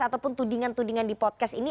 ataupun tudingan tudingan di podcast ini